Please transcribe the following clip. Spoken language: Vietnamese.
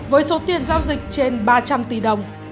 với số tiền giao dịch trên ba trăm linh tỷ đồng